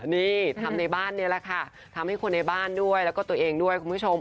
นี่ทำในบ้านนี่แหละค่ะทำให้คนในบ้านด้วยแล้วก็ตัวเองด้วยคุณผู้ชม